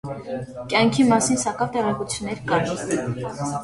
Կեանքի մասին սակաւ տեղեկութիւններ կան։